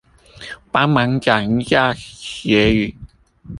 幫忙講一下結語